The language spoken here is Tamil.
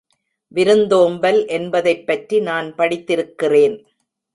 விருந்தோம்பல் என்பதைப்பற்றி நான் படித்திருக்கிறேன்.